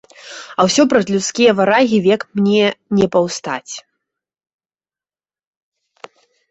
А ўсё праз людскія варагі век мне не паўстаць.